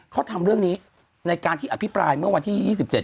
เขาทำเรื่องนี้ในการที่อภิปรายเมื่อวันที่๒๗